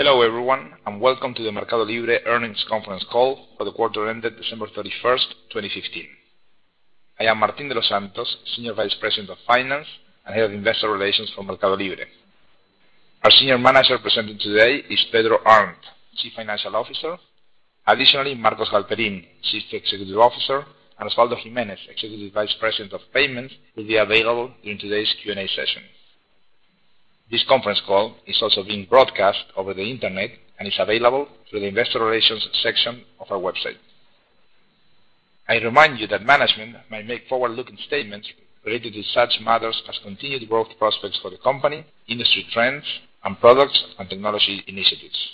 Hello everyone, welcome to the MercadoLibre earnings conference call for the quarter ended December 31st, 2015. I am Martín de los Santos, Senior Vice President of Finance and Head of Investor Relations for MercadoLibre. Our senior manager presenting today is Pedro Arnt, Chief Financial Officer. Additionally, Marcos Galperin, Chief Executive Officer, and Osvaldo Giménez, Executive Vice President of Payments, will be available during today's Q&A session. This conference call is also being broadcast over the internet and is available through the investor relations section of our website. I remind you that management might make forward-looking statements related to such matters as continued growth prospects for the company, industry trends, and products and technology initiatives.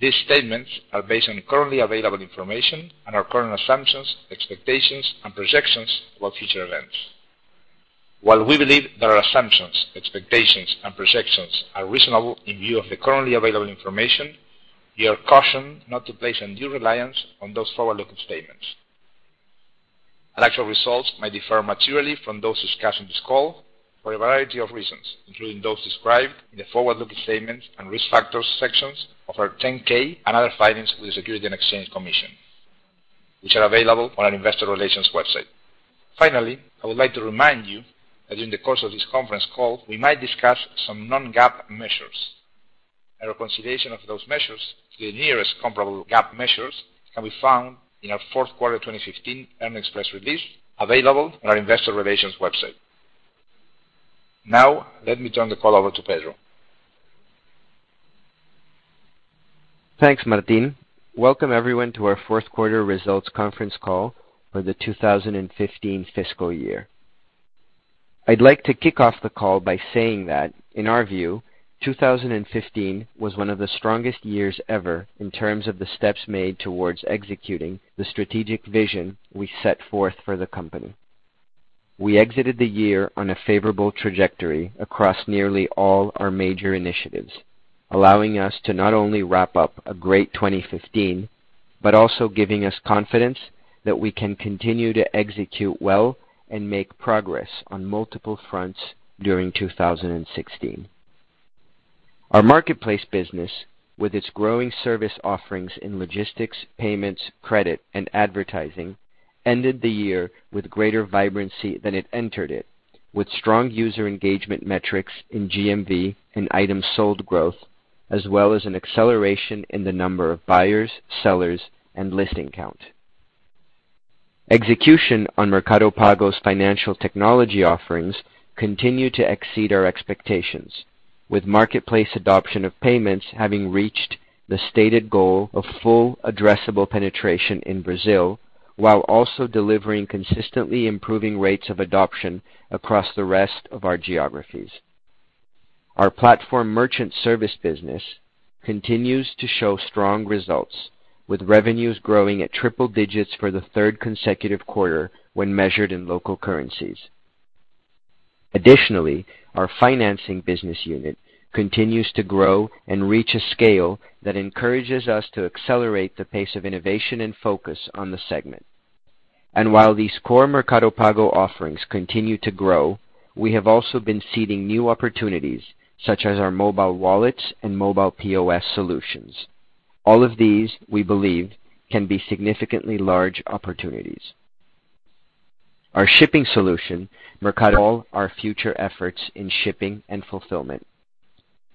These statements are based on currently available information and our current assumptions, expectations, and projections about future events. While we believe that our assumptions, expectations, and projections are reasonable in view of the currently available information, you are cautioned not to place undue reliance on those forward-looking statements. Actual results may differ materially from those discussed on this call for a variety of reasons, including those described in the forward-looking statements and risk factors sections of our 10-K and other filings with the Securities and Exchange Commission, which are available on our investor relations website. Finally, I would like to remind you that during the course of this conference call, we might discuss some non-GAAP measures. A reconciliation of those measures to the nearest comparable GAAP measures can be found in our Q4 2015 earnings press release, available on our investor relations website. Now, let me turn the call over to Pedro. Thanks, Martín. Welcome everyone to our fourth quarter results conference call for the 2015 fiscal year. I'd like to kick off the call by saying that, in our view, 2015 was one of the strongest years ever in terms of the steps made towards executing the strategic vision we set forth for the company. We exited the year on a favorable trajectory across nearly all our major initiatives, allowing us to not only wrap up a great 2015, but also giving us confidence that we can continue to execute well and make progress on multiple fronts during 2016. Our marketplace business, with its growing service offerings in logistics, payments, credit, and advertising, ended the year with greater vibrancy than it entered it with strong user engagement metrics in GMV and items sold growth, as well as an acceleration in the number of buyers, sellers, and listing count. Execution on Mercado Pago's financial technology offerings continued to exceed our expectations, with marketplace adoption of payments having reached the stated goal of full addressable penetration in Brazil, while also delivering consistently improving rates of adoption across the rest of our geographies. Our platform merchant service business continues to show strong results, with revenues growing at triple digits for the third consecutive quarter when measured in local currencies. Additionally, our financing business unit continues to grow and reach a scale that encourages us to accelerate the pace of innovation and focus on the segment. While these core Mercado Pago offerings continue to grow, we have also been seeding new opportunities, such as our mobile wallets and mobile POS solutions. All of these, we believe, can be significantly large opportunities. Our shipping solution, Mercado Envios All our future efforts in shipping and fulfillment.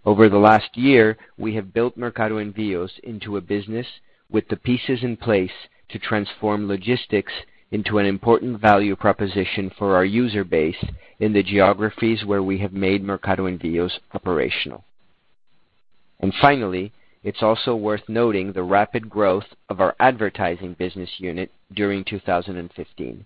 Over the last year, we have built Mercado Envios into a business with the pieces in place to transform logistics into an important value proposition for our user base in the geographies where we have made Mercado Envios operational. Finally, it's also worth noting the rapid growth of our advertising business unit during 2015.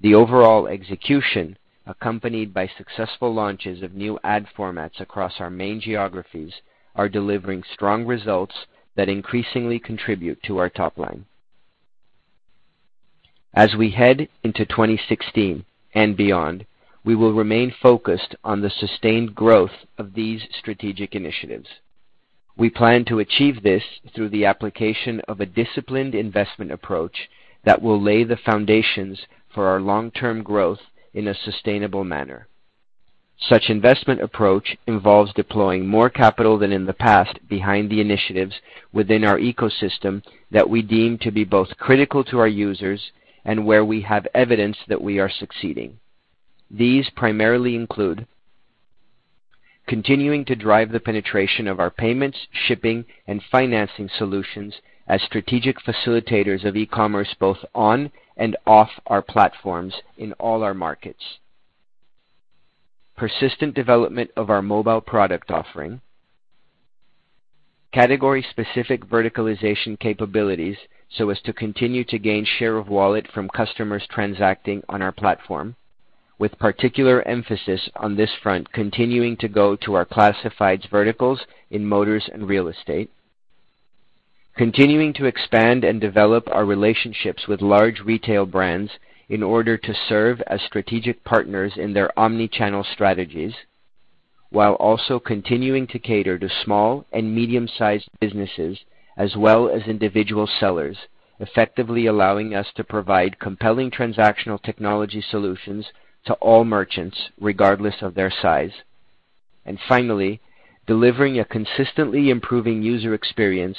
The overall execution, accompanied by successful launches of new ad formats across our main geographies, are delivering strong results that increasingly contribute to our top line. As we head into 2016 and beyond, we will remain focused on the sustained growth of these strategic initiatives. We plan to achieve this through the application of a disciplined investment approach that will lay the foundations for our long-term growth in a sustainable manner. Such investment approach involves deploying more capital than in the past behind the initiatives within our ecosystem that we deem to be both critical to our users and where we have evidence that we are succeeding. These primarily include continuing to drive the penetration of our payments, shipping, and financing solutions as strategic facilitators of e-commerce both on and off our platforms in all our markets. Persistent development of our mobile product offering. Category-specific verticalization capabilities, so as to continue to gain share of wallet from customers transacting on our platform, with particular emphasis on this front continuing to go to our classifieds verticals in motors and real estate. Continuing to expand and develop our relationships with large retail brands in order to serve as strategic partners in their omni-channel strategies. While also continuing to cater to small and medium-sized businesses as well as individual sellers, effectively allowing us to provide compelling transactional technology solutions to all merchants, regardless of their size. Finally, delivering a consistently improving user experience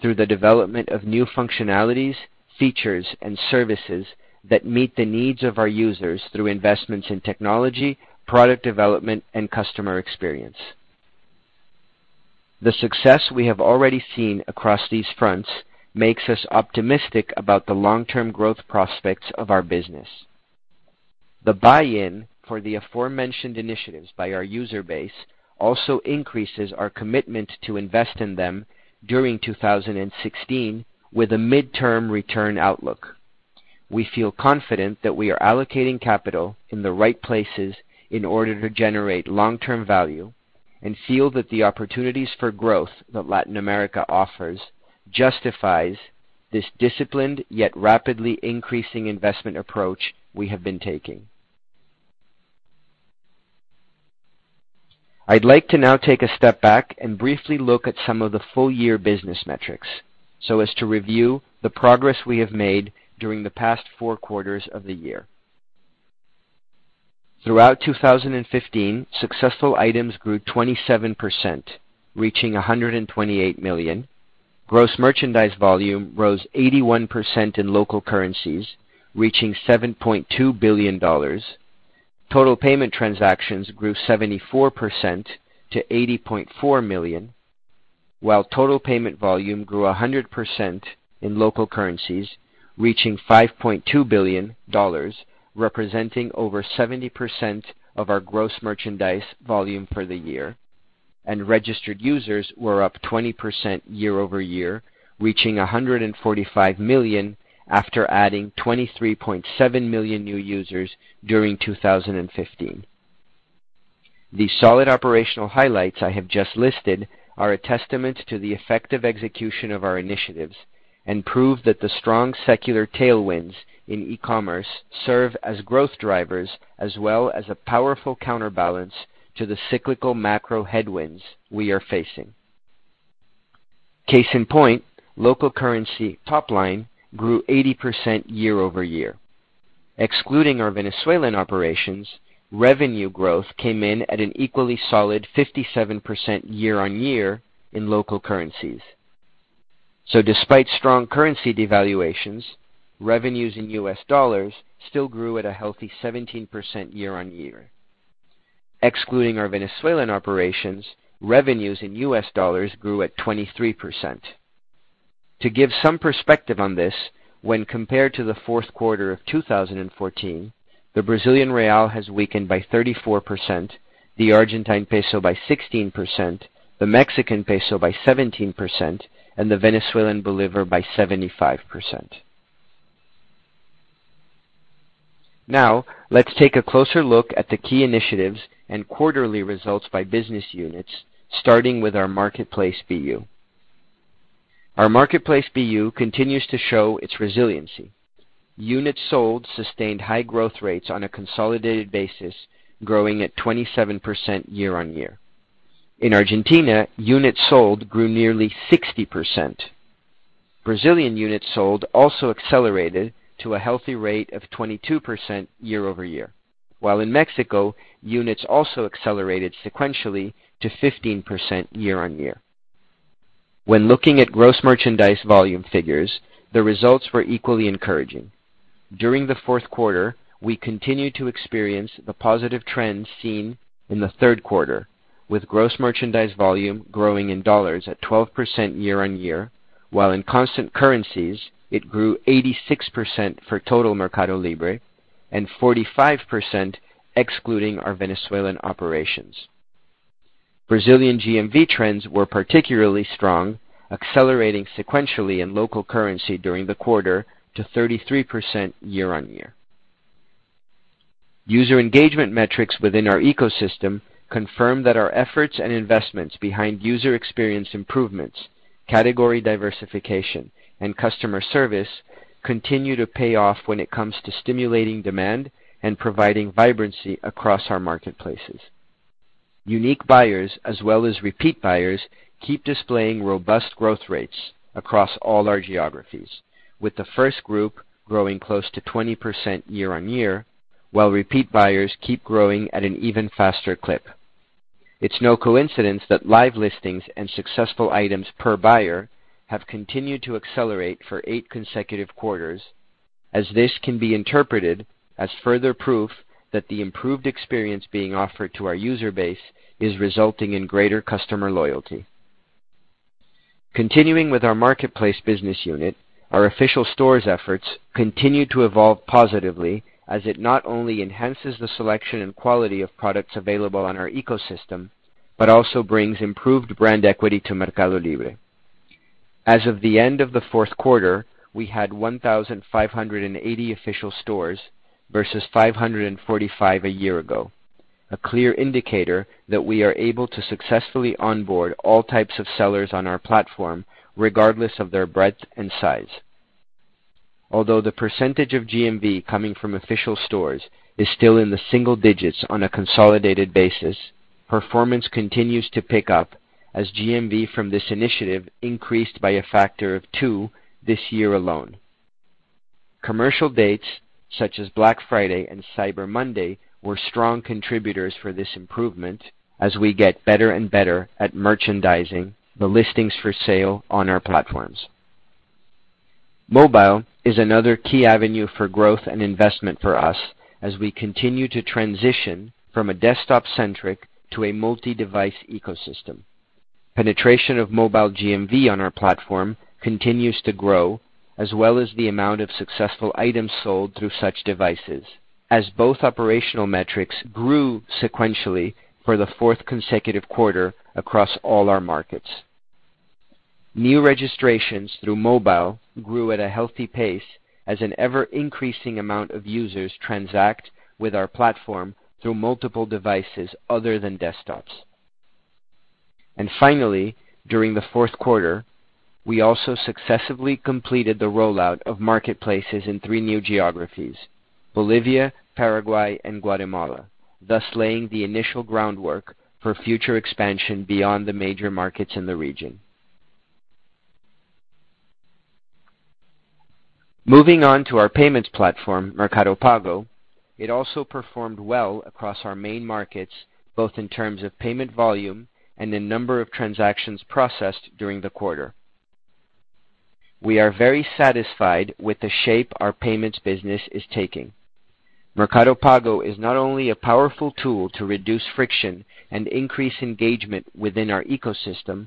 through the development of new functionalities, features, and services that meet the needs of our users through investments in technology, product development, and customer experience. The success we have already seen across these fronts makes us optimistic about the long-term growth prospects of our business. The buy-in for the aforementioned initiatives by our user base also increases our commitment to invest in them during 2016 with a midterm return outlook. We feel confident that we are allocating capital in the right places in order to generate long-term value and feel that the opportunities for growth that Latin America offers justifies this disciplined yet rapidly increasing investment approach we have been taking. I'd like to now take a step back and briefly look at some of the full-year business metrics so as to review the progress we have made during the past four quarters of the year. Throughout 2015, successful items grew 27%, reaching 128 million. Gross merchandise volume rose 81% in local currencies, reaching $7.2 billion. Total payment transactions grew 74% to 80.4 million, while total payment volume grew 100% in local currencies, reaching $5.2 billion, representing over 70% of our gross merchandise volume for the year. Registered users were up 20% year-over-year, reaching 145 million after adding 23.7 million new users during 2015. The solid operational highlights I have just listed are a testament to the effective execution of our initiatives and prove that the strong secular tailwinds in e-commerce serve as growth drivers as well as a powerful counterbalance to the cyclical macro headwinds we are facing. Case in point, local currency top line grew 80% year-over-year. Excluding our Venezuelan operations, revenue growth came in at an equally solid 57% year-on-year in local currencies. Despite strong currency devaluations, revenues in U.S. dollars still grew at a healthy 17% year-on-year. Excluding our Venezuelan operations, revenues in U.S. dollars grew at 23%. To give some perspective on this, when compared to the fourth quarter of 2014, the BRL has weakened by 34%, the ARS by 16%, the MXN by 17%, and the VEF by 75%. Let's take a closer look at the key initiatives and quarterly results by business units, starting with our marketplace BU. Our marketplace BU continues to show its resiliency. Units sold sustained high growth rates on a consolidated basis, growing at 27% year-on-year. In Argentina, units sold grew nearly 60%. Brazilian units sold also accelerated to a healthy rate of 22% year-over-year, while in Mexico, units also accelerated sequentially to 15% year-on-year. When looking at gross merchandise volume figures, the results were equally encouraging. During the fourth quarter, we continued to experience the positive trends seen in the third quarter, with gross merchandise volume growing in U.S. dollars at 12% year-on-year, while in constant currencies, it grew 86% for total MercadoLibre and 45% excluding our Venezuelan operations. Brazilian GMV trends were particularly strong, accelerating sequentially in local currency during the quarter to 33% year-on-year. User engagement metrics within our ecosystem confirm that our efforts and investments behind user experience improvements, category diversification, and customer service continue to pay off when it comes to stimulating demand and providing vibrancy across our marketplaces. Unique buyers as well as repeat buyers keep displaying robust growth rates across all our geographies, with the first group growing close to 20% year-on-year, while repeat buyers keep growing at an even faster clip. It's no coincidence that live listings and successful items per buyer have continued to accelerate for 8 consecutive quarters, as this can be interpreted as further proof that the improved experience being offered to our user base is resulting in greater customer loyalty. Continuing with our marketplace business unit, our official stores efforts continue to evolve positively as it not only enhances the selection and quality of products available on our ecosystem, but also brings improved brand equity to MercadoLibre. As of the end of the fourth quarter, we had 1,580 official stores versus 545 a year ago, a clear indicator that we are able to successfully onboard all types of sellers on our platform, regardless of their breadth and size. Although the percentage of GMV coming from official stores is still in the single digits on a consolidated basis, performance continues to pick up as GMV from this initiative increased by a factor of 2 this year alone. Commercial dates such as Black Friday and Cyber Monday were strong contributors for this improvement as we get better and better at merchandising the listings for sale on our platforms. Mobile is another key avenue for growth and investment for us as we continue to transition from a desktop-centric to a multi-device ecosystem. Penetration of mobile GMV on our platform continues to grow, as well as the amount of successful items sold through such devices, as both operational metrics grew sequentially for the fourth consecutive quarter across all our markets. New registrations through mobile grew at a healthy pace as an ever-increasing amount of users transact with our platform through multiple devices other than desktops. Finally, during the fourth quarter, we also successfully completed the rollout of marketplaces in three new geographies, Bolivia, Paraguay, and Guatemala, thus laying the initial groundwork for future expansion beyond the major markets in the region. Moving on to our payments platform, Mercado Pago, it also performed well across our main markets, both in terms of payment volume and the number of transactions processed during the quarter. We are very satisfied with the shape our payments business is taking. Mercado Pago is not only a powerful tool to reduce friction and increase engagement within our ecosystem,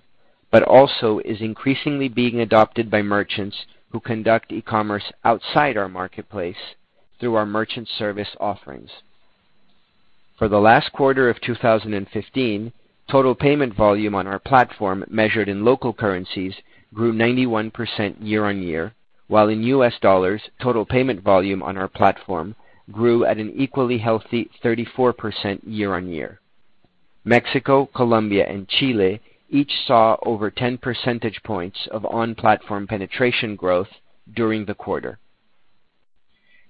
but also is increasingly being adopted by merchants who conduct e-commerce outside our marketplace through our merchant service offerings. For the last quarter of 2015, total payment volume on our platform, measured in local currencies, grew 91% year-on-year, while in US dollars, total payment volume on our platform grew at an equally healthy 34% year-on-year. Mexico, Colombia, and Chile each saw over 10 percentage points of on-platform penetration growth during the quarter.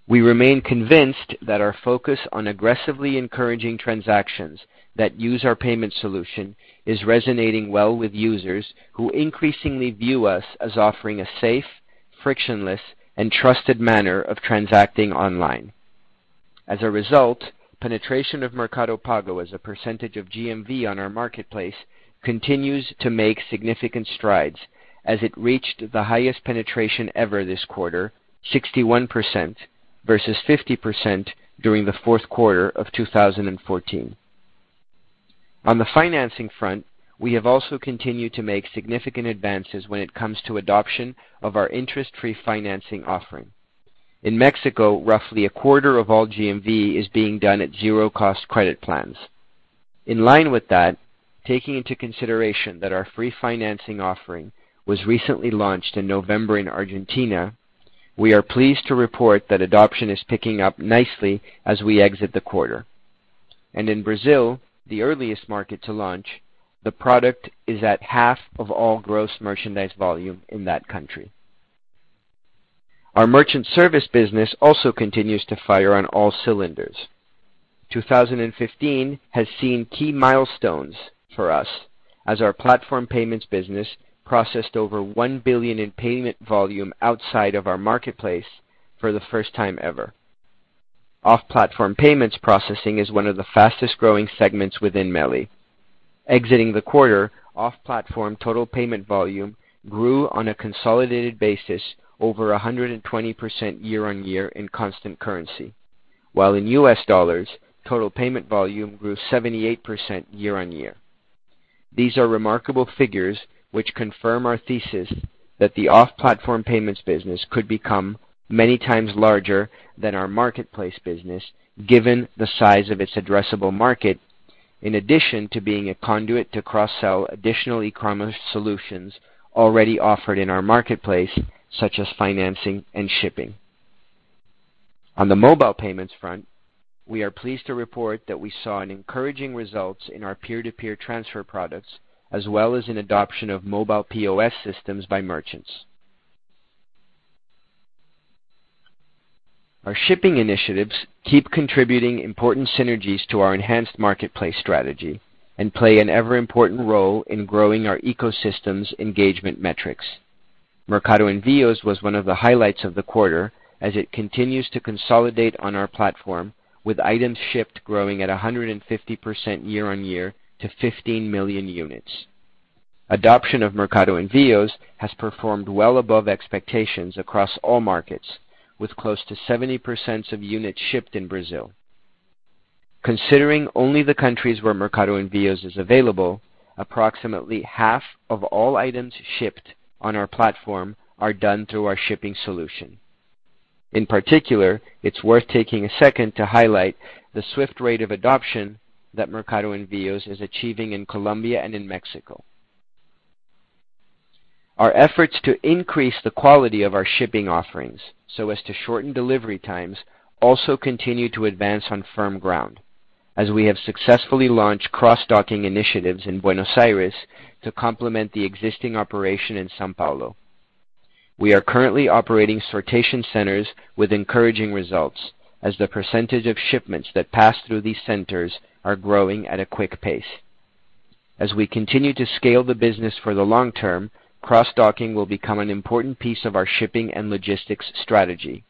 We remain convinced that our focus on aggressively encouraging transactions that use our payment solution is resonating well with users who increasingly view us as offering a safe, frictionless, and trusted manner of transacting online. As a result, penetration of Mercado Pago as a percentage of GMV on our marketplace continues to make significant strides as it reached the highest penetration ever this quarter, 61% versus 50% during the fourth quarter of 2014. On the financing front, we have also continued to make significant advances when it comes to adoption of our interest-free financing offering. In Mexico, roughly a quarter of all GMV is being done at zero-cost credit plans. In line with that, taking into consideration that our free financing offering was recently launched in November in Argentina, we are pleased to report that adoption is picking up nicely as we exit the quarter. In Brazil, the earliest market to launch, the product is at half of all gross merchandise volume in that country. Our merchant service business also continues to fire on all cylinders. 2015 has seen key milestones for us as our platform payments business processed over $1 billion in payment volume outside of our marketplace for the first time ever. Off-platform payments processing is one of the fastest-growing segments within MELI. Exiting the quarter, off-platform total payment volume grew on a consolidated basis over 120% year-on-year in constant currency, while in US dollars, total payment volume grew 78% year-on-year. These are remarkable figures, which confirm our thesis that the off-platform payments business could become many times larger than our marketplace business given the size of its addressable market, in addition to being a conduit to cross-sell additional e-commerce solutions already offered in our marketplace, such as financing and shipping. On the mobile payments front, we are pleased to report that we saw encouraging results in our peer-to-peer transfer products, as well as in adoption of mobile POS systems by merchants. Our shipping initiatives keep contributing important synergies to our enhanced marketplace strategy and play an ever-important role in growing our ecosystem's engagement metrics. Mercado Envios was one of the highlights of the quarter as it continues to consolidate on our platform, with items shipped growing at 150% year-on-year to 15 million units. Adoption of Mercado Envios has performed well above expectations across all markets, with close to 70% of units shipped in Brazil. Considering only the countries where Mercado Envios is available, approximately half of all items shipped on our platform are done through our shipping solution. In particular, it's worth taking a second to highlight the swift rate of adoption that Mercado Envios is achieving in Colombia and in Mexico. Our efforts to increase the quality of our shipping offerings, so as to shorten delivery times, also continue to advance on firm ground. We have successfully launched cross-docking initiatives in Buenos Aires to complement the existing operation in São Paulo. We are currently operating sortation centers with encouraging results, as the percentage of shipments that pass through these centers are growing at a quick pace. As we continue to scale the business for the long term, cross-docking will become an important piece of our shipping and logistics strategy,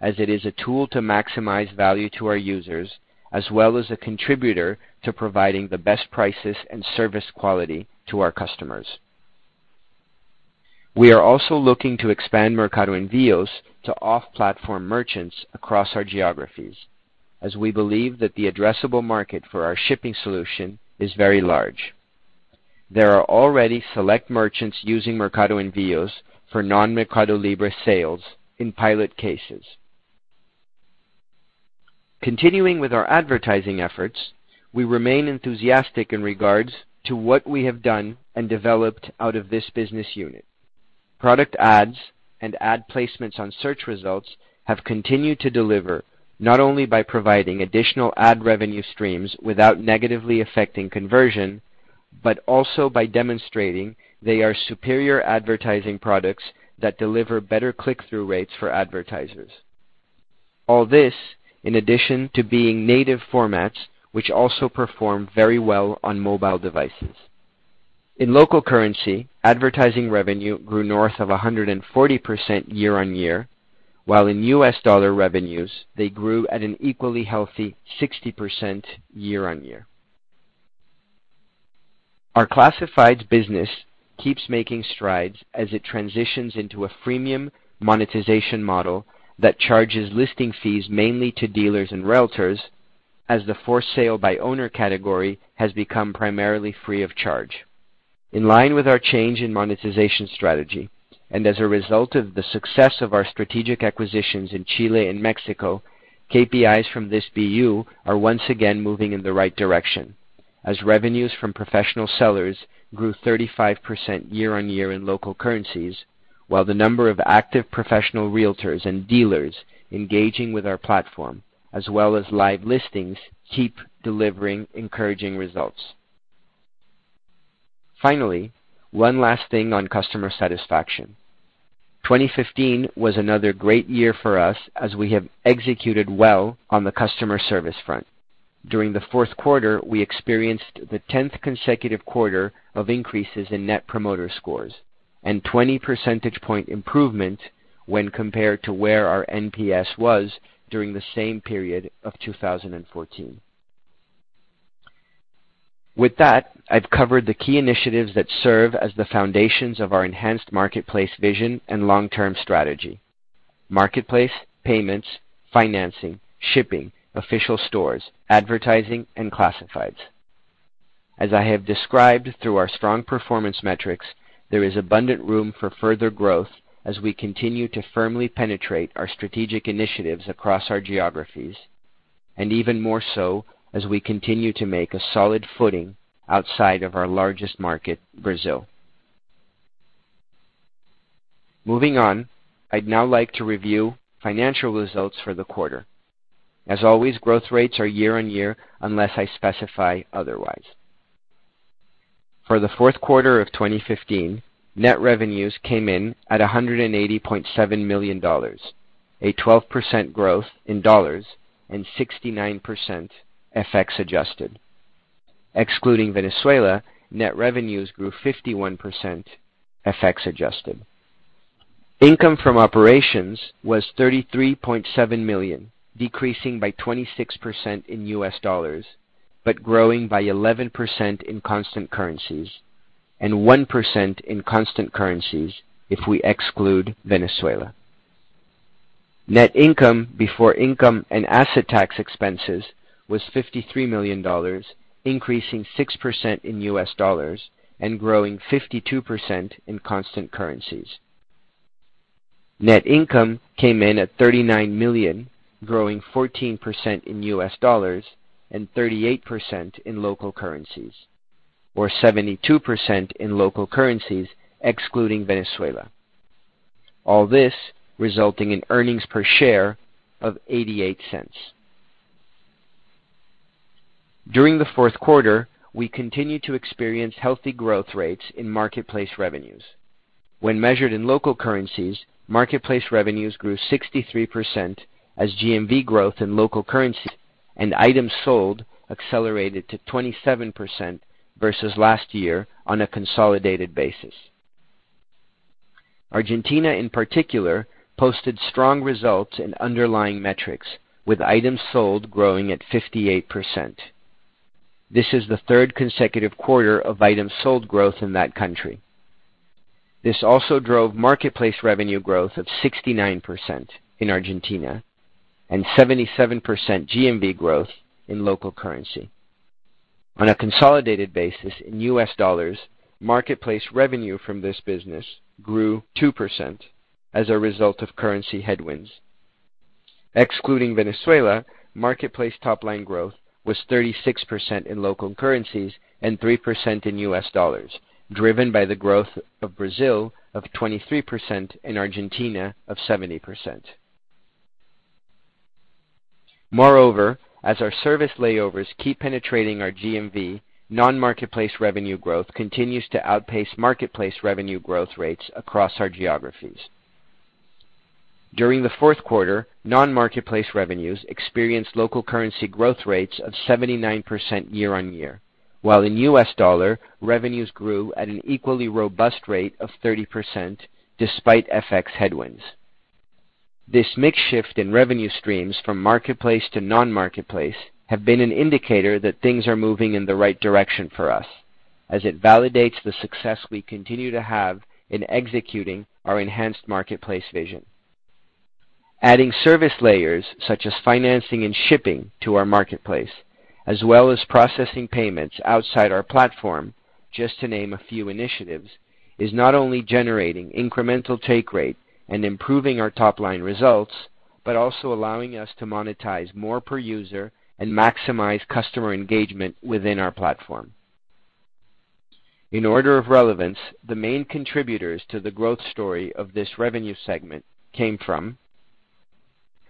as it is a tool to maximize value to our users, as well as a contributor to providing the best prices and service quality to our customers. We are also looking to expand Mercado Envios to off-platform merchants across our geographies, as we believe that the addressable market for our shipping solution is very large. There are already select merchants using Mercado Envios for non-MercadoLibre sales in pilot cases. Continuing with our advertising efforts, we remain enthusiastic in regards to what we have done and developed out of this business unit. Product ads and ad placements on search results have continued to deliver, not only by providing additional ad revenue streams without negatively affecting conversion, but also by demonstrating they are superior advertising products that deliver better click-through rates for advertisers. All this, in addition to being native formats, which also perform very well on mobile devices. In local currency, advertising revenue grew north of 140% year-on-year, while in USD revenues, they grew at an equally healthy 60% year-on-year. Our classifieds business keeps making strides as it transitions into a freemium monetization model that charges listing fees mainly to dealers and realtors, as the for sale by owner category has become primarily free of charge. In line with our change in monetization strategy, as a result of the success of our strategic acquisitions in Chile and Mexico, KPIs from this BU are once again moving in the right direction, as revenues from professional sellers grew 35% year-on-year in local currencies, while the number of active professional realtors and dealers engaging with our platform, as well as live listings, keep delivering encouraging results. Finally, one last thing on customer satisfaction. 2015 was another great year for us as we have executed well on the customer service front. During the fourth quarter, we experienced the 10th consecutive quarter of increases in net promoter scores, and 20 percentage point improvement when compared to where our NPS was during the same period of 2014. With that, I've covered the key initiatives that serve as the foundations of our enhanced marketplace vision and long-term strategy. Marketplace, payments, financing, shipping, official stores, advertising, and classifieds. As I have described through our strong performance metrics, there is abundant room for further growth as we continue to firmly penetrate our strategic initiatives across our geographies, and even more so as we continue to make a solid footing outside of our largest market, Brazil. Moving on, I'd now like to review financial results for the quarter. As always, growth rates are year-on-year unless I specify otherwise. For the fourth quarter of 2015, net revenues came in at $180.7 million, a 12% growth in U.S. dollars and 69% FX adjusted. Excluding Venezuela, net revenues grew 51% FX adjusted. Income from operations was $33.7 million, decreasing by 26% in U.S. dollars, growing by 11% in constant currencies and 1% in constant currencies if we exclude Venezuela. Net income before income and asset tax expenses was $53 million, increasing 6% in U.S. dollars and growing 52% in constant currencies. Net income came in at $39 million, growing 14% in U.S. dollars and 38% in local currencies, or 72% in local currencies excluding Venezuela. All this resulting in earnings per share of $0.88. During the fourth quarter, we continued to experience healthy growth rates in marketplace revenues. When measured in local currencies, marketplace revenues grew 63% as GMV growth in local currency and items sold accelerated to 27% versus last year on a consolidated basis. Argentina, in particular, posted strong results in underlying metrics, with items sold growing at 58%. This is the third consecutive quarter of items sold growth in that country. This also drove marketplace revenue growth of 69% in Argentina and 77% GMV growth in local currency. On a consolidated basis in U.S. dollars, marketplace revenue from this business grew 2% as a result of currency headwinds. Excluding Venezuela, marketplace top-line growth was 36% in local currencies and 3% in U.S. dollars, driven by the growth of Brazil of 23% and Argentina of 70%. As our service layers keep penetrating our GMV, non-marketplace revenue growth continues to outpace marketplace revenue growth rates across our geographies. During the fourth quarter, non-marketplace revenues experienced local currency growth rates of 79% year-on-year, while in U.S. dollar, revenues grew at an equally robust rate of 30%, despite FX headwinds. This mix shift in revenue streams from marketplace to non-marketplace have been an indicator that things are moving in the right direction for us, as it validates the success we continue to have in executing our enhanced marketplace vision. Adding service layers such as financing and shipping to our marketplace, as well as processing payments outside our platform, just to name a few initiatives, is not only generating incremental take rate and improving our top-line results, also allowing us to monetize more per user and maximize customer engagement within our platform. In order of relevance, the main contributors to the growth story of this revenue segment came from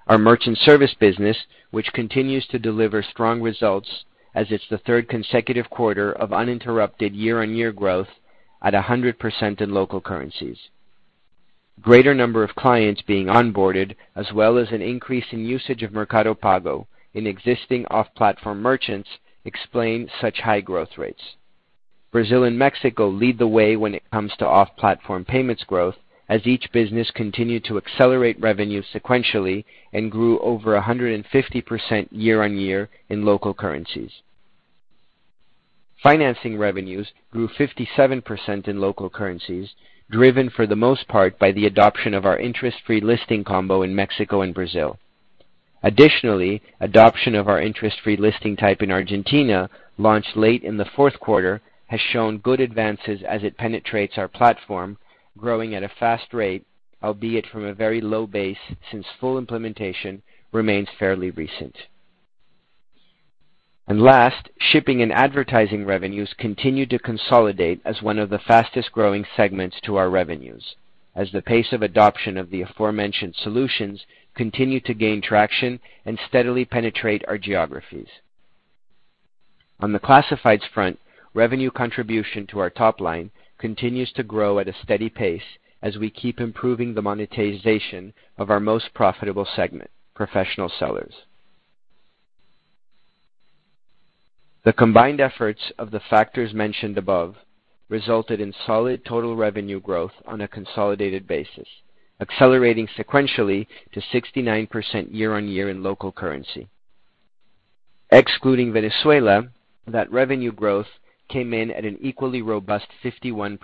our merchant service business, which continues to deliver strong results as it's the third consecutive quarter of uninterrupted year-on-year growth at 100% in local currencies. Greater number of clients being onboarded, as well as an increase in usage of Mercado Pago in existing off-platform merchants explain such high growth rates. Brazil and Mexico lead the way when it comes to off-platform payments growth, as each business continued to accelerate revenue sequentially and grew over 150% year-on-year in local currencies. Financing revenues grew 57% in local currencies, driven for the most part by the adoption of our interest-free listing combo in Mexico and Brazil. Additionally, adoption of our interest-free listing type in Argentina, launched late in the fourth quarter, has shown good advances as it penetrates our platform, growing at a fast rate, albeit from a very low base, since full implementation remains fairly recent. Last, shipping and advertising revenues continued to consolidate as one of the fastest-growing segments to our revenues, as the pace of adoption of the aforementioned solutions continued to gain traction and steadily penetrate our geographies. On the classifieds front, revenue contribution to our top-line continues to grow at a steady pace as we keep improving the monetization of our most profitable segment, professional sellers. The combined efforts of the factors mentioned above resulted in solid total revenue growth on a consolidated basis, accelerating sequentially to 69% year-on-year in local currency. Excluding Venezuela, that revenue growth came in at an equally robust 51%.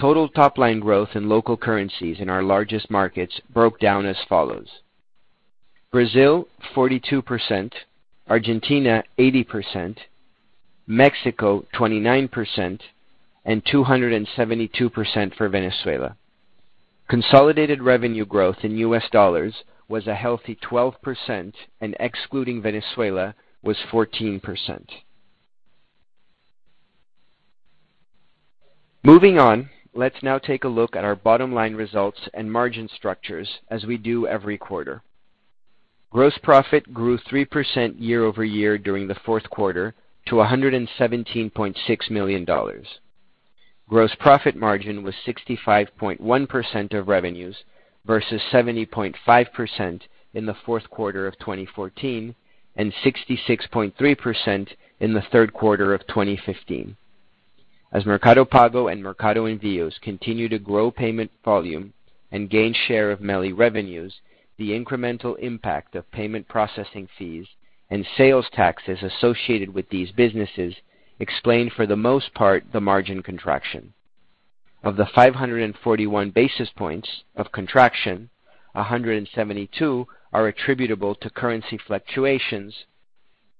Total top-line growth in local currencies in our largest markets broke down as follows: Brazil, 42%, Argentina, 80%, Mexico, 29%, and 272% for Venezuela. Consolidated revenue growth in U.S. dollars was a healthy 12%, and excluding Venezuela was 14%. Moving on, let's now take a look at our bottom-line results and margin structures as we do every quarter. Gross profit grew 3% year-over-year during the fourth quarter to $117.6 million. Gross profit margin was 65.1% of revenues versus 70.5% in the fourth quarter of 2014 and 66.3% in the third quarter of 2015. As Mercado Pago and Mercado Envios continue to grow payment volume and gain share of MELI revenues, the incremental impact of payment processing fees and sales taxes associated with these businesses explain, for the most part, the margin contraction. Of the 541 basis points of contraction, 172 are attributable to currency fluctuations,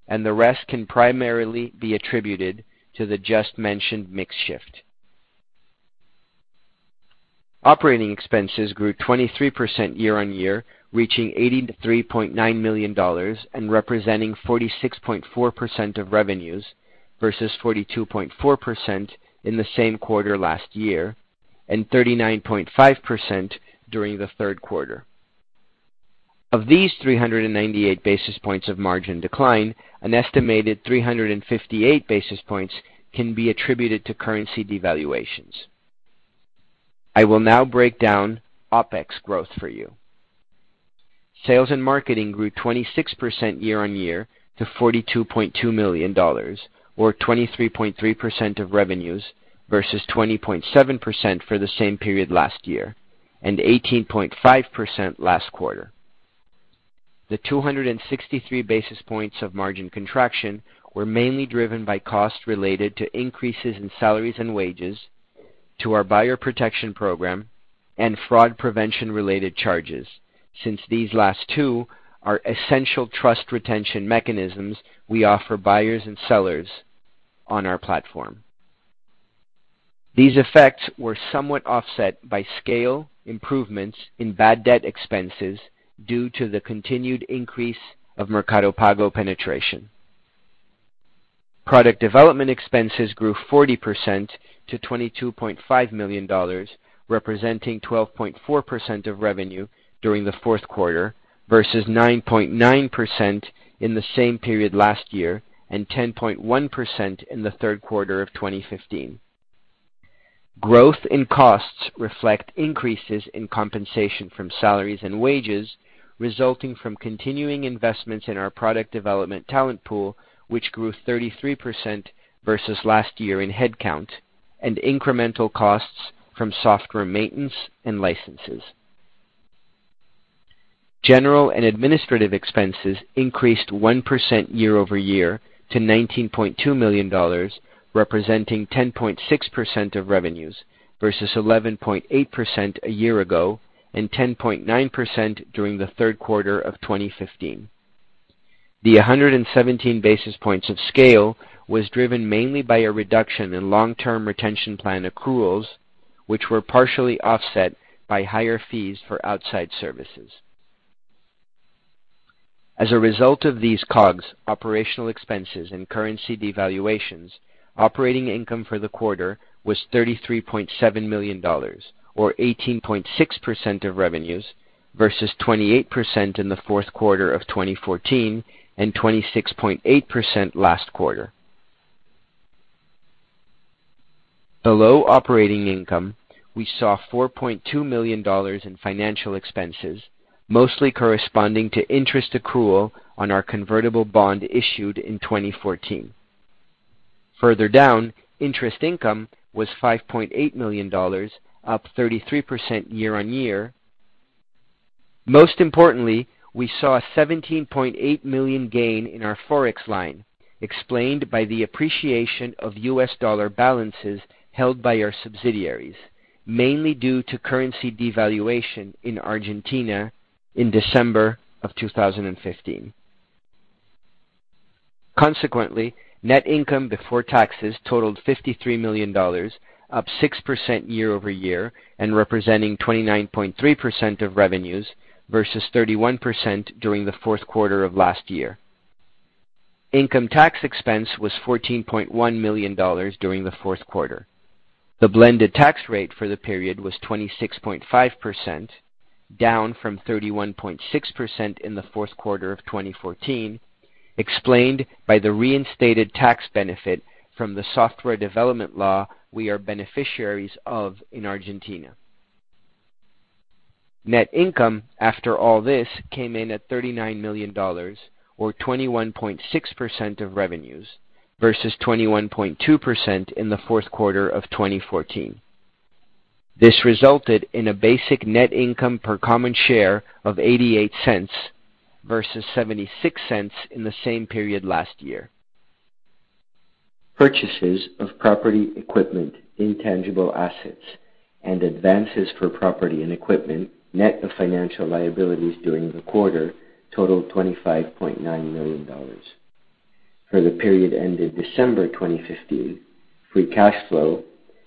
and the rest can primarily be attributed to the just-mentioned mix shift. Operating expenses grew 23% year-on-year, reaching $83.9 million and representing 46.4% of revenues versus 42.4% in the same quarter last year and 39.5% during the third quarter. Of these 398 basis points of margin decline, an estimated 358 basis points can be attributed to currency devaluations. I will now break down OpEx growth for you. Sales and marketing grew 26% year-on-year to $42.2 million, or 23.3% of revenues versus 20.7% for the same period last year and 18.5% last quarter. The 263 basis points of margin contraction were mainly driven by costs related to increases in salaries and wages to our buyer protection program and fraud prevention-related charges. Since these last two are essential trust retention mechanisms we offer buyers and sellers on our platform. These effects were somewhat offset by scale improvements in bad debt expenses due to the continued increase of Mercado Pago penetration. Product development expenses grew 40% to $22.5 million, representing 12.4% of revenue during the fourth quarter versus 9.9% in the same period last year, and 10.1% in the third quarter of 2015. Growth in costs reflect increases in compensation from salaries and wages, resulting from continuing investments in our product development talent pool, which grew 33% versus last year in head count, and incremental costs from software maintenance and licenses. General and administrative expenses increased 1% year-over-year to $19.2 million, representing 10.6% of revenues versus 11.8% a year ago, and 10.9% during the third quarter of 2015. The 117 basis points of scale was driven mainly by a reduction in long-term retention plan accruals, which were partially offset by higher fees for outside services. As a result of these COGS operational expenses and currency devaluations, operating income for the quarter was $33.7 million, or 18.6% of revenues versus 28% in the fourth quarter of 2014 and 26.8% last quarter. Below operating income, we saw $4.2 million in financial expenses, mostly corresponding to interest accrual on our convertible bond issued in 2014. Further down, interest income was $5.8 million, up 33% year-on-year. Most importantly, we saw a $17.8 million gain in our Forex line, explained by the appreciation of US dollar balances held by our subsidiaries, mainly due to currency devaluation in Argentina in December of 2015. Consequently, net income before taxes totaled $53 million, up 6% year-over-year, and representing 29.3% of revenues versus 31% during the fourth quarter of last year. Income tax expense was $14.1 million during the fourth quarter. The blended tax rate for the period was 26.5%, down from 31.6% in the fourth quarter of 2014, explained by the reinstated tax benefit from the software development law we are beneficiaries of in Argentina. Net income, after all this, came in at $39 million or 21.6% of revenues versus 21.2% in the fourth quarter of 2014. This resulted in a basic net income per common share of $0.88 versus $0.76 in the same period last year. Purchases of property equipment, intangible assets, and advances for property and equipment net of financial liabilities during the quarter totaled $25.9 million. For the period ended December 2015, free cash flow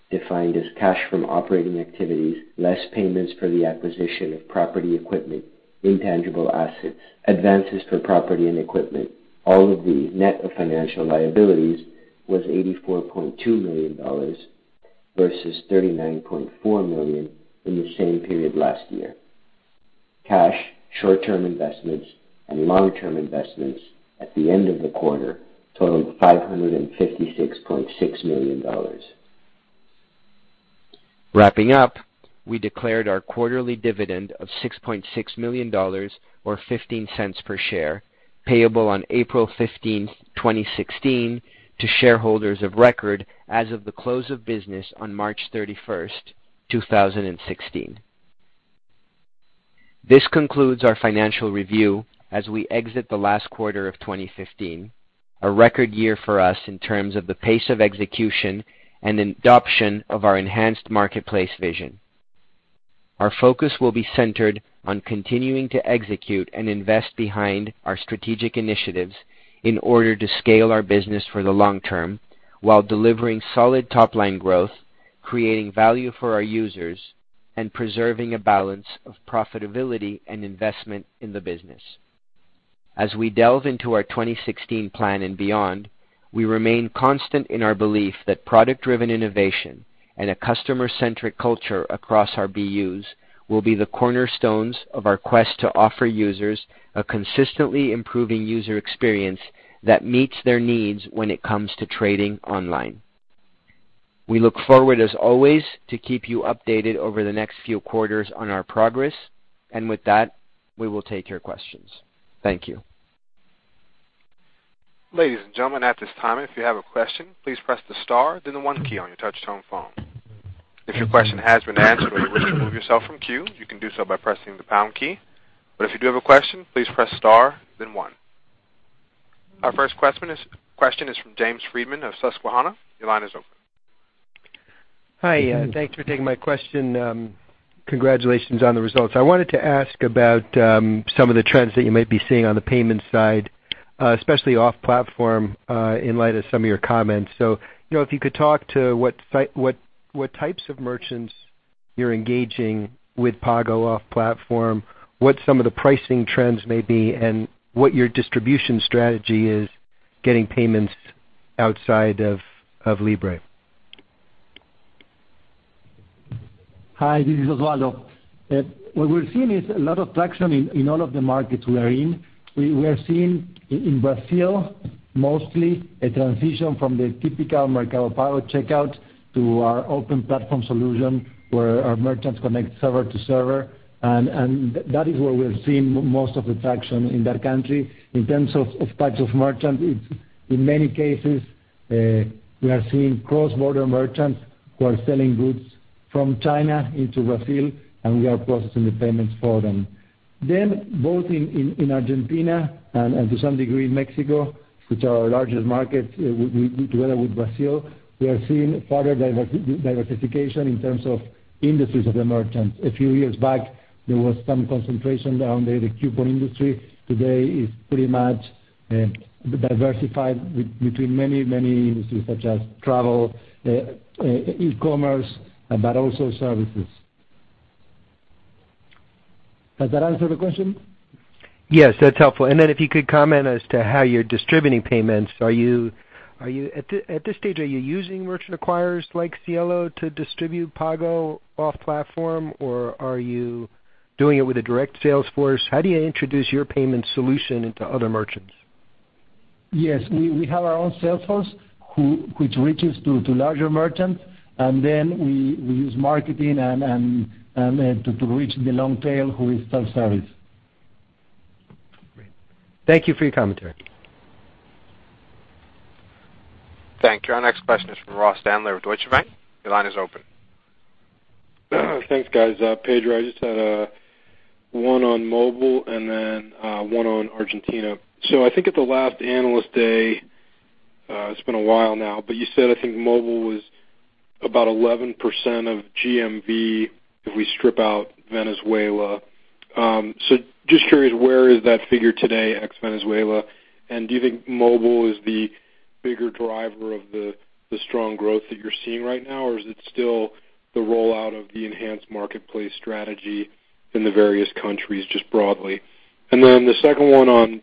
defined as cash from operating activities, less payments for the acquisition of property equipment, intangible assets, advances for property and equipment, all of these net of financial liabilities was $84.2 million versus $39.4 million in the same period last year. Cash, short-term investments, and long-term investments at the end of the quarter totaled $556.6 million. Wrapping up, we declared our quarterly dividend of $6.6 million, or $0.15 per share, payable on April 15th, 2016 to shareholders of record as of the close of business on March 31st, 2016. This concludes our financial review as we exit the last quarter of 2015, a record year for us in terms of the pace of execution and adoption of our enhanced marketplace vision. Our focus will be centered on continuing to execute and invest behind our strategic initiatives in order to scale our business for the long term while delivering solid top-line growth, creating value for our users, and preserving a balance of profitability and investment in the business. As we delve into our 2016 plan and beyond, we remain constant in our belief that product-driven innovation and a customer-centric culture across our BUs will be the cornerstones of our quest to offer users a consistently improving user experience that meets their needs when it comes to trading online. We look forward, as always, to keep you updated over the next few quarters on our progress. With that, we will take your questions. Thank you. Ladies and gentlemen, at this time, if you have a question, please press the star then one key on your touch-tone phone. If your question has been answered or you wish to remove yourself from queue, you can do so by pressing the pound key. If you do have a question, please press star, then one. Our first question is from James Friedman of Susquehanna. Your line is open. Hi. Thanks for taking my question. Congratulations on the results. I wanted to ask about some of the trends that you might be seeing on the payments side, especially off-platform, in light of some of your comments. If you could talk to what types of merchants you're engaging with Pago off-platform, what some of the pricing trends may be, and what your distribution strategy is, getting payments outside of Libre. Hi, this is Osvaldo. What we're seeing is a lot of traction in all of the markets we are in. We are seeing in Brazil, mostly a transition from the typical Mercado Pago checkout to our open platform solution where our merchants connect server to server, that is where we're seeing most of the traction in that country. In terms of types of merchants, it's in many cases, we are seeing cross-border merchants who are selling goods from China into Brazil, and we are processing the payments for them. Both in Argentina and to some degree, Mexico, which are our largest markets, together with Brazil, we are seeing further diversification in terms of industries of the merchants. A few years back, there was some concentration around the coupon industry. Today is pretty much diversified between many industries such as travel, e-commerce, but also services. Does that answer the question? Yes, that's helpful. Then if you could comment as to how you're distributing payments. At this stage, are you using merchant acquirers like Cielo to distribute Pago off-platform, or are you doing it with a direct sales force? How do you introduce your payment solution into other merchants? Yes. We have our own sales force which reaches to larger merchants, and then we use marketing and to reach the long tail, who is self-service. Great. Thank you for your commentary. Thank you. Our next question is from Ross Sandler of Deutsche Bank. Your line is open. Thanks, guys. Pedro, I just had one on mobile and then, one on Argentina. I think at the last Analyst Day, it's been a while now, but you said, I think mobile was about 11% of GMV if we strip out Venezuela. Just curious, where is that figure today ex Venezuela? Do you think mobile is the bigger driver of the strong growth that you're seeing right now, or is it still the rollout of the enhanced marketplace strategy in the various countries, just broadly? Then the second one on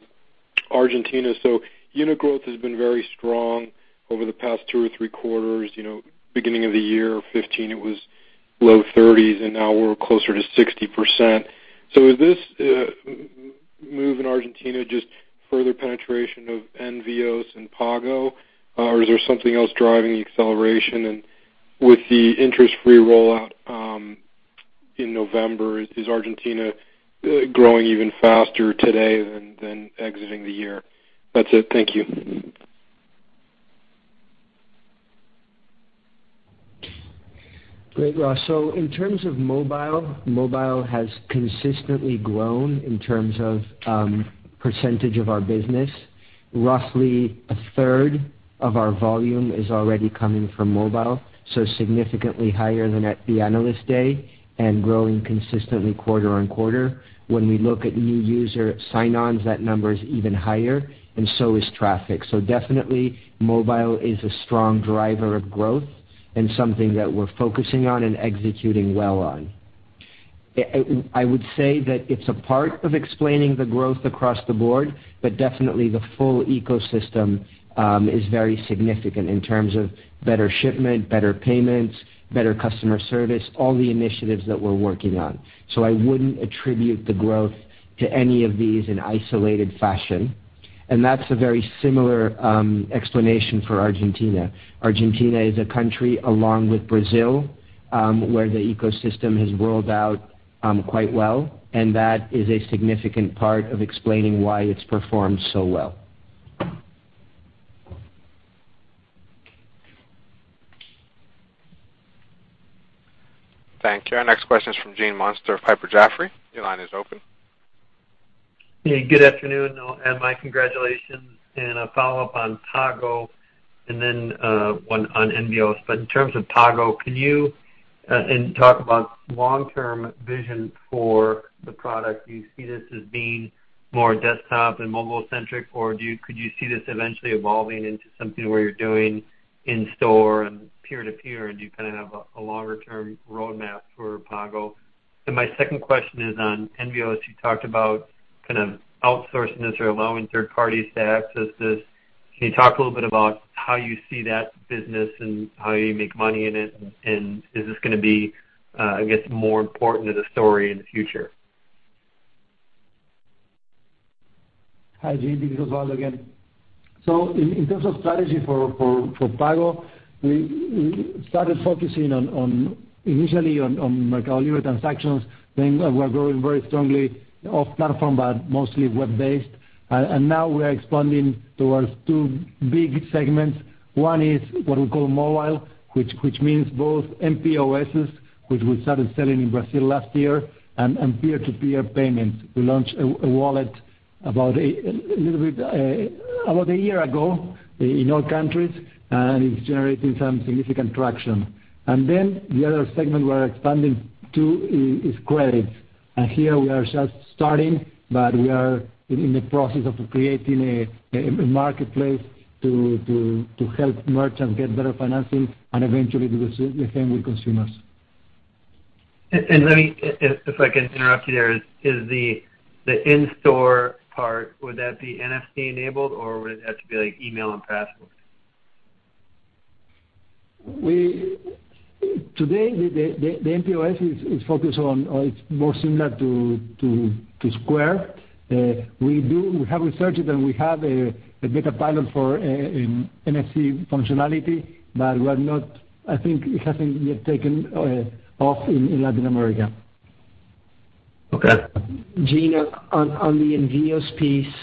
Argentina. Unit growth has been very strong over the past two or three quarters. Beginning of the year 2015, it was low 30s and now we're closer to 60%. Is this move in Argentina just further penetration of Envíos and Pago, or is there something else driving the acceleration? With the interest-free rollout, in November, is Argentina growing even faster today than exiting the year? That's it. Thank you. Great, Ross. In terms of mobile has consistently grown in terms of percentage of our business. Roughly a third of our volume is already coming from mobile, significantly higher than at the Analyst Day and growing consistently quarter-on-quarter. When we look at new user sign-ons, that number is even higher, and so is traffic. Definitely mobile is a strong driver of growth and something that we're focusing on and executing well on. I would say that it's a part of explaining the growth across the board, but definitely the full ecosystem is very significant in terms of better shipment, better payments, better customer service, all the initiatives that we're working on. I wouldn't attribute the growth to any of these in isolated fashion. That's a very similar explanation for Argentina. Argentina is a country, along with Brazil, where the ecosystem has rolled out quite well, and that is a significant part of explaining why it's performed so well. Thank you. Our next question is from Gene Munster of Piper Jaffray. Your line is open. Hey, good afternoon, my congratulations and a follow-up on Pago, one on envíos. In terms of Pago, can you talk about long-term vision for the product. Do you see this as being more desktop and mobile-centric, or could you see this eventually evolving into something where you're doing in-store and peer-to-peer, and you kind of have a longer-term roadmap for Pago? My second question is on envíos. You talked about kind of outsourcing this or allowing third parties to access this. Can you talk a little bit about how you see that business and how you make money in it, is this going to be, I guess, more important to the story in the future? Hi, Gene. This is Osvaldo again. In terms of strategy for Pago, we started focusing initially on MercadoLibre transactions, we're growing very strongly off-platform, mostly web-based. Now we are expanding towards two big segments. One is what we call mobile, which means both mPOSs, which we started selling in Brazil last year, peer-to-peer payments. We launched a wallet about a year ago in all countries, it's generating some significant traction. The other segment we're expanding to is credits. Here we are just starting, but we are in the process of creating a marketplace to help merchants get better financing, and eventually the same with consumers. Let me, if I can interrupt you there, is the in-store part, would that be NFC enabled or would it have to be email and password? Today, the mPOS is focused on, it's more similar to Square. We have researched it, and we have a beta pilot for NFC functionality, but I think it hasn't yet taken off in Latin America. Okay. Gene, on the Envios piece,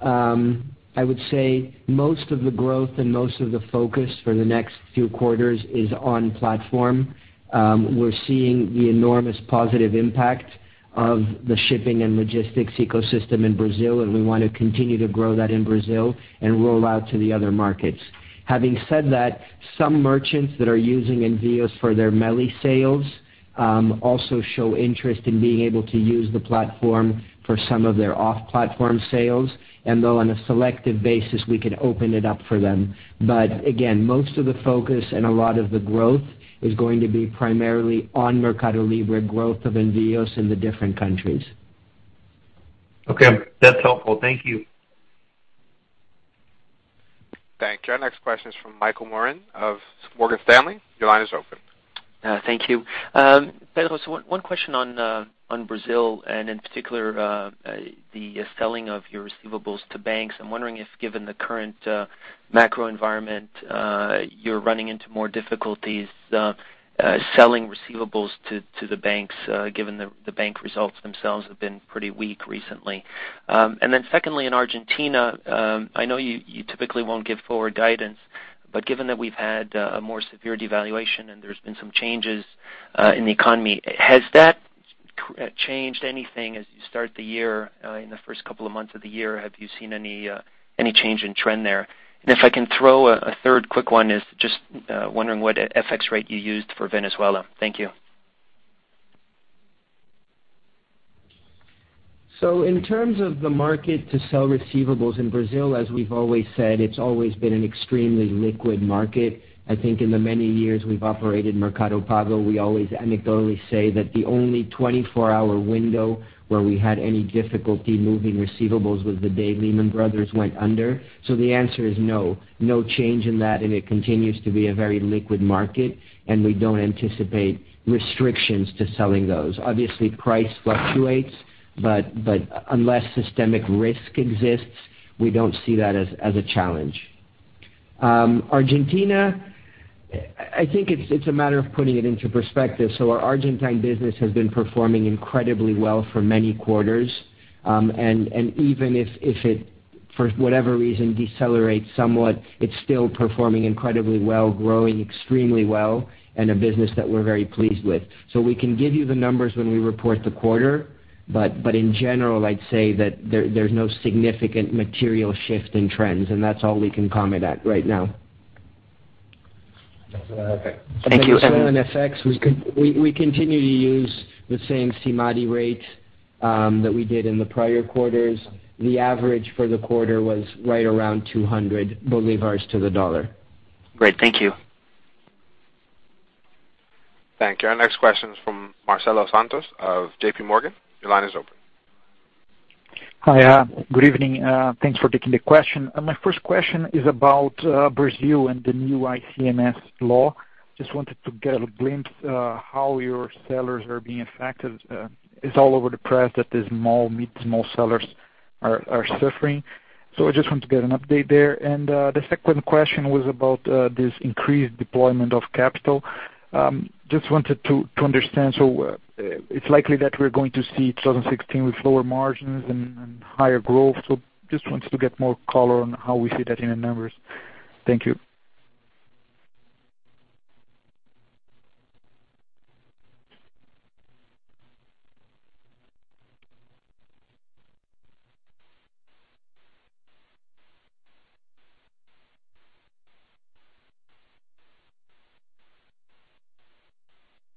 I would say most of the growth and most of the focus for the next few quarters is on platform. We're seeing the enormous positive impact of the shipping and logistics ecosystem in Brazil, and we want to continue to grow that in Brazil and roll out to the other markets. Having said that, some merchants that are using Envios for their MELI Sales also show interest in being able to use the platform for some of their off-platform sales. Though on a selective basis, we could open it up for them. Again, most of the focus and a lot of the growth is going to be primarily on MercadoLibre growth of Envios in the different countries. Okay. That's helpful. Thank you. Thank you. Our next question is from Michael Moran of Morgan Stanley. Your line is open. Thank you. Pedro, one question on Brazil, and in particular, the selling of your receivables to banks. I'm wondering if, given the current macro environment, you're running into more difficulties selling receivables to the banks, given the bank results themselves have been pretty weak recently. Secondly, in Argentina, I know you typically won't give forward guidance, but given that we've had a more severe devaluation and there's been some changes in the economy, has that changed anything as you start the year, in the first couple of months of the year? Have you seen any change in trend there? If I can throw a third quick one is just wondering what FX rate you used for Venezuela. Thank you. In terms of the market to sell receivables in Brazil, as we've always said, it's always been an extremely liquid market. I think in the many years we've operated Mercado Pago, we always anecdotally say that the only 24-hour window where we had any difficulty moving receivables was the day Lehman Brothers went under. The answer is no. No change in that, and it continues to be a very liquid market, and we don't anticipate restrictions to selling those. Obviously, price fluctuates, but unless systemic risk exists, we don't see that as a challenge. Argentina, I think it's a matter of putting it into perspective. Our Argentine business has been performing incredibly well for many quarters. Even if it, for whatever reason, decelerates somewhat, it's still performing incredibly well, growing extremely well, and a business that we're very pleased with. We can give you the numbers when we report the quarter, but in general, I'd say that there's no significant material shift in trends, and that's all we can comment at right now. Okay. Thank you. On FX, we continue to use the same SIMADI rate that we did in the prior quarters. The average for the quarter was right around VEF 200 to the US dollar. Great. Thank you. Thank you. Our next question is from Marcelo Santos of JP Morgan. Your line is open. Hi. Good evening. Thanks for taking the question. My first question is about Brazil and the new ICMS law. Just wanted to get a glimpse how your sellers are being affected. It's all over the press that the small sellers are suffering. I just want to get an update there. The second question was about this increased deployment of capital. Just wanted to understand. It's likely that we're going to see 2016 with lower margins and higher growth. Just wanted to get more color on how we see that in the numbers. Thank you.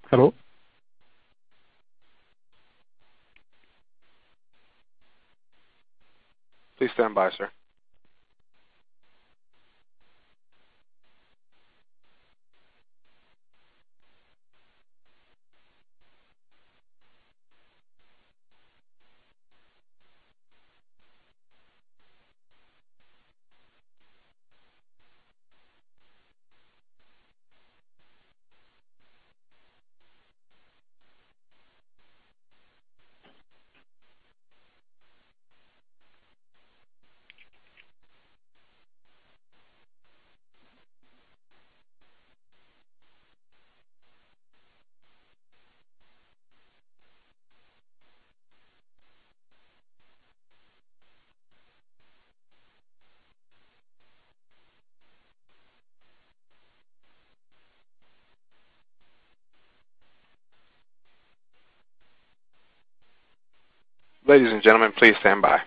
Hello? Please stand by, sir. Ladies and gentlemen, please stand by.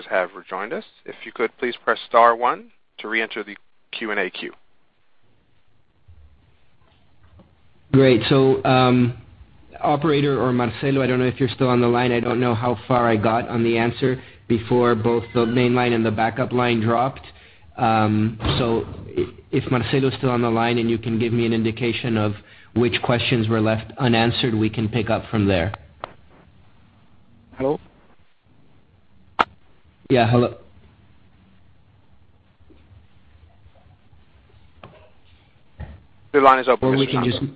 Ladies and gentlemen, our speakers have rejoined us. If you could please press star one to reenter the Q&A queue. Great. Operator or Marcelo, I don't know if you're still on the line. I don't know how far I got on the answer before both the main line and the backup line dropped. If Marcelo's still on the line, and you can give me an indication of which questions were left unanswered, we can pick up from there. Hello? Yeah. Hello. The line is open. We can hear you.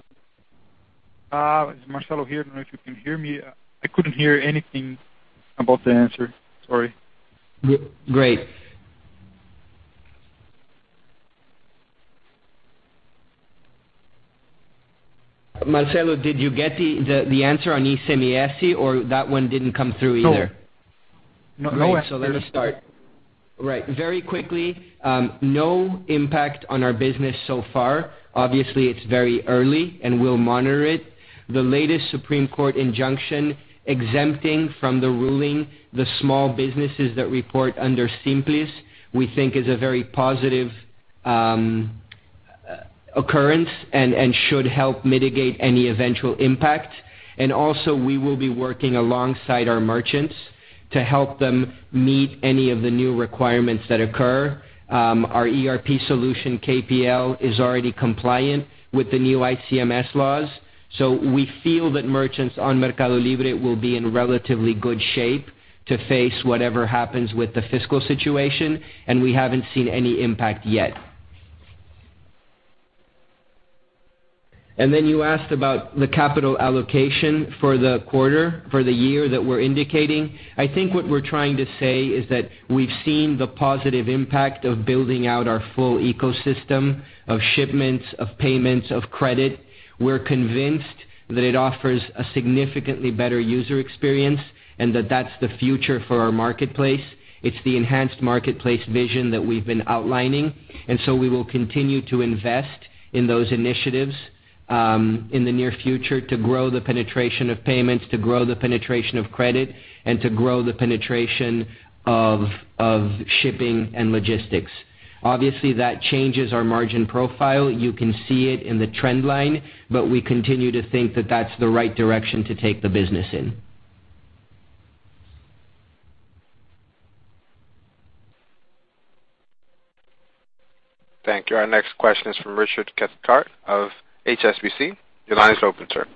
It's Marcelo here. I don't know if you can hear me. I couldn't hear anything about the answer, sorry. Great. Marcelo, did you get the answer on ICMS, or that one didn't come through either? No. Great. Let me start. Right. Very quickly, no impact on our business so far. Obviously, it's very early, and we'll monitor it. The latest Supreme Court injunction exempting from the ruling the small businesses that report under Simples, we think is a very positive occurrence and should help mitigate any eventual impact. Also, we will be working alongside our merchants to help them meet any of the new requirements that occur. Our ERP solution, KPL, is already compliant with the new ICMS laws. We feel that merchants on MercadoLibre will be in relatively good shape to face whatever happens with the fiscal situation, and we haven't seen any impact yet. You asked about the capital allocation for the quarter, for the year that we're indicating. I think what we're trying to say is that we've seen the positive impact of building out our full ecosystem of shipments, of payments, of credit. We're convinced that it offers a significantly better user experience and that that's the future for our marketplace. It's the enhanced marketplace vision that we've been outlining. We will continue to invest in those initiatives, in the near future to grow the penetration of payments, to grow the penetration of credit, and to grow the penetration of shipping and logistics. Obviously, that changes our margin profile. You can see it in the trend line, but we continue to think that that's the right direction to take the business in. Thank you. Our next question is from Richard Cathcart of HSBC. Your line is open, sir.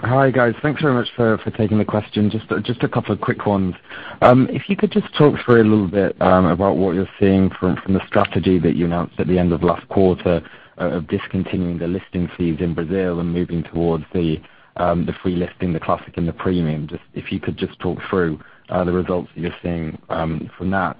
Hi, guys. Thanks very much for taking the question. Just a couple of quick ones. If you could just talk through a little bit about what you're seeing from the strategy that you announced at the end of last quarter of discontinuing the listing fees in Brazil and moving towards the free listing, the classic and the premium. If you could just talk through the results that you're seeing from that.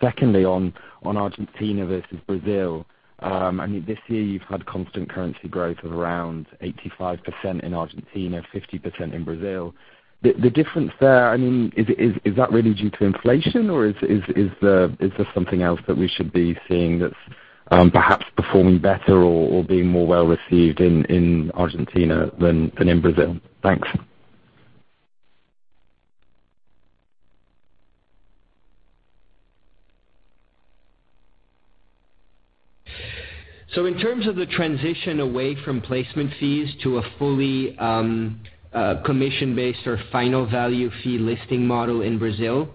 Secondly, on Argentina versus Brazil. I mean, this year you've had constant currency growth of around 85% in Argentina, 50% in Brazil. The difference there, is that really due to inflation, or is this something else that we should be seeing that's perhaps performing better or being more well-received in Argentina than in Brazil? Thanks. In terms of the transition away from placement fees to a fully commission-based or final value fee listing model in Brazil,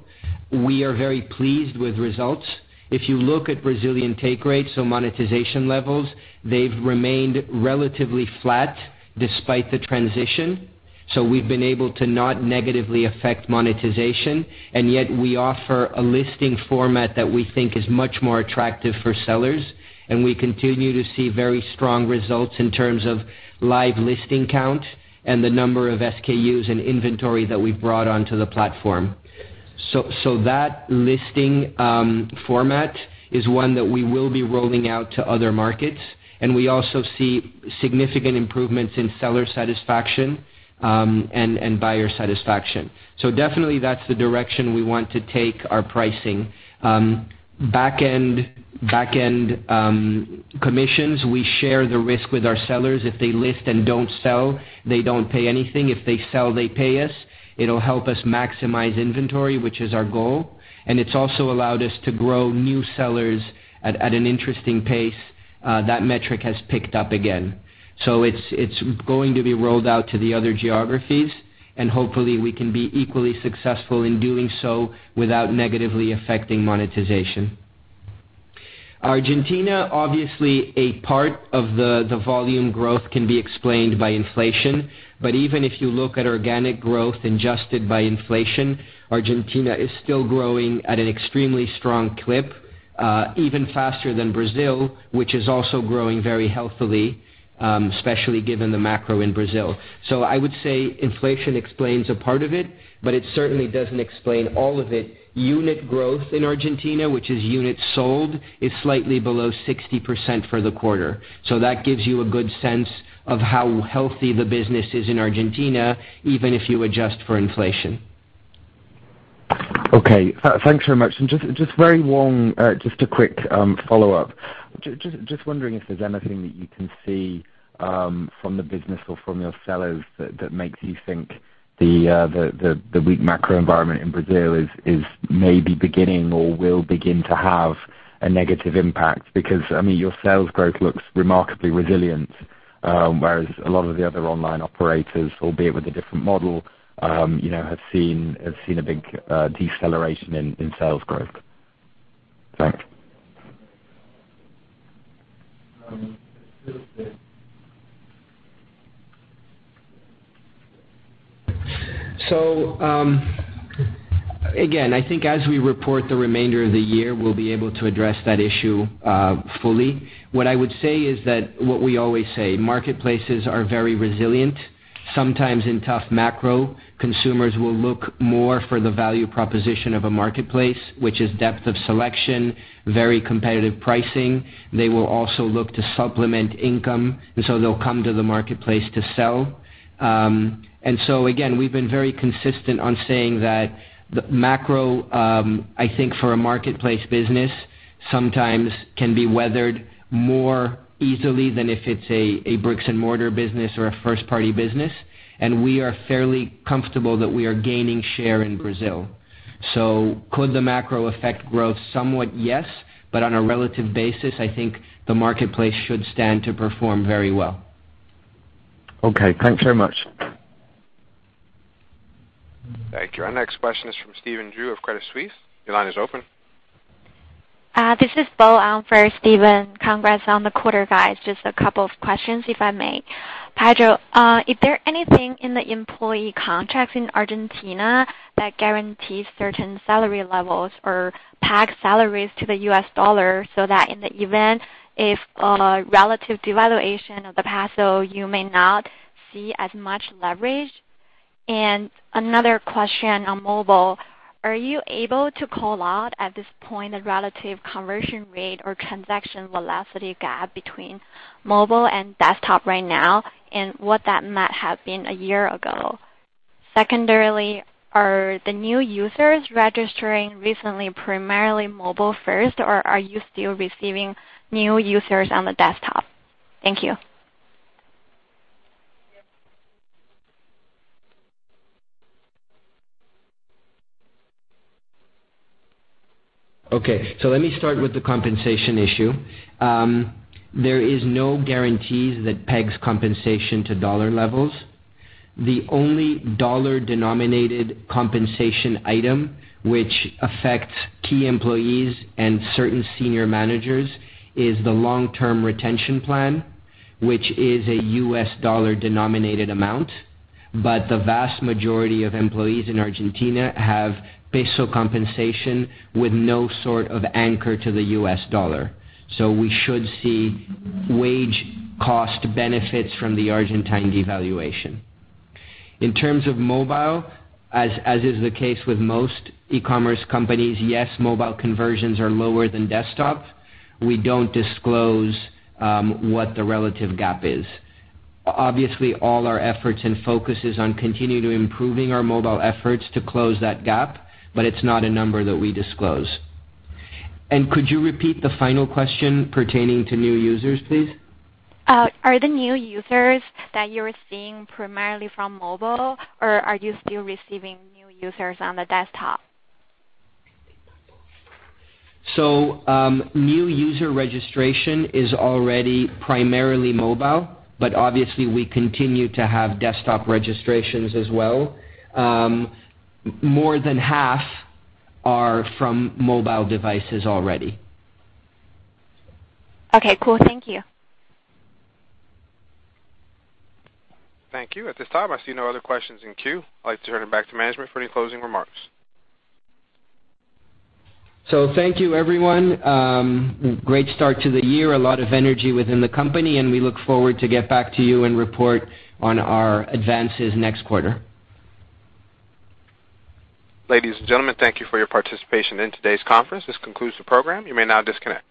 we are very pleased with results. If you look at Brazilian take rates or monetization levels, they've remained relatively flat despite the transition. We've been able to not negatively affect monetization. We offer a listing format that we think is much more attractive for sellers, and we continue to see very strong results in terms of live listing count and the number of SKUs and inventory that we've brought onto the platform. That listing format is one that we will be rolling out to other markets, and we also see significant improvements in seller satisfaction and buyer satisfaction. Definitely, that's the direction we want to take our pricing. Back end commissions, we share the risk with our sellers. If they list and don't sell, they don't pay anything. If they sell, they pay us. It'll help us maximize inventory, which is our goal, and it's also allowed us to grow new sellers at an interesting pace. That metric has picked up again. It's going to be rolled out to the other geographies, and hopefully, we can be equally successful in doing so without negatively affecting monetization. Argentina, obviously, a part of the volume growth can be explained by inflation. Even if you look at organic growth adjusted by inflation, Argentina is still growing at an extremely strong clip, even faster than Brazil, which is also growing very healthily, especially given the macro in Brazil. I would say inflation explains a part of it, but it certainly doesn't explain all of it. Unit growth in Argentina, which is units sold, is slightly below 60% for the quarter. That gives you a good sense of how healthy the business is in Argentina, even if you adjust for inflation. Okay, thanks very much. Just a quick follow-up. Just wondering if there's anything that you can see from the business or from your sellers that makes you think the weak macro environment in Brazil is maybe beginning or will begin to have a negative impact. Your sales growth looks remarkably resilient, whereas a lot of the other online operators, albeit with a different model have seen a big deceleration in sales growth. Thanks. Again, I think as we report the remainder of the year, we'll be able to address that issue fully. What I would say is what we always say, marketplaces are very resilient. Sometimes in tough macro, consumers will look more for the value proposition of a marketplace, which is depth of selection, very competitive pricing. They will also look to supplement income, they'll come to the marketplace to sell. Again, we've been very consistent on saying that the macro, I think for a marketplace business, sometimes can be weathered more easily than if it's a bricks-and-mortar business or a first-party business. We are fairly comfortable that we are gaining share in Brazil. Could the macro affect growth? Somewhat, yes. On a relative basis, I think the marketplace should stand to perform very well. Okay, thanks very much. Thank you. Our next question is from Stephen Ju of Credit Suisse. Your line is open. This is Bo for Stephen. Congrats on the quarter, guys. Just a couple of questions, if I may. Pedro, is there anything in the employee contracts in Argentina that guarantees certain salary levels or pegs salaries to the U.S. dollar so that in the event if a relative devaluation of the peso, you may not see as much leverage? Another question on mobile, are you able to call out at this point a relative conversion rate or transaction velocity gap between mobile and desktop right now and what that might have been a year ago? Secondarily, are the new users registering recently primarily mobile first, or are you still receiving new users on the desktop? Thank you. Okay. Let me start with the compensation issue. There is no guarantees that pegs compensation to dollar levels. The only dollar-denominated compensation item which affects key employees and certain senior managers is the long-term retention plan, which is a U.S. dollar-denominated amount. The vast majority of employees in Argentina have peso compensation with no sort of anchor to the U.S. dollar. We should see wage cost benefits from the Argentine devaluation. In terms of mobile, as is the case with most e-commerce companies, yes, mobile conversions are lower than desktop. We don't disclose what the relative gap is. Obviously, all our efforts and focus is on continuing improving our mobile efforts to close that gap, but it's not a number that we disclose. Could you repeat the final question pertaining to new users, please? Are the new users that you're seeing primarily from mobile, or are you still receiving new users on the desktop? New user registration is already primarily mobile, but obviously, we continue to have desktop registrations as well. More than half are from mobile devices already. Okay, cool. Thank you. Thank you. At this time, I see no other questions in queue. I'd like to turn it back to management for any closing remarks. Thank you, everyone. Great start to the year. A lot of energy within the company, and we look forward to get back to you and report on our advances next quarter. Ladies and gentlemen, thank you for your participation in today's conference. This concludes the program. You may now disconnect.